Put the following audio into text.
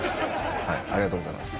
ありがとうございます。